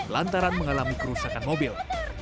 lantaran mengalami kerusakan mobil